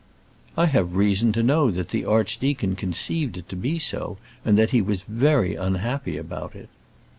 "I have reason to know that the archdeacon conceived it to be so, and that he was very unhappy about it."